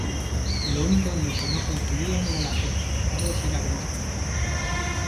Lo único en lo que no coincidían era en la fe: Carlos era agnóstico.